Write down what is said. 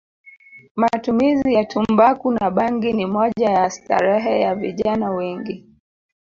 Matumizi ya tumbaku na bangi ni moja ya starehe ya vijna wengi